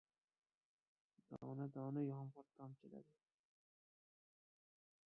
Dona-dona yomg‘ir tomchiladi.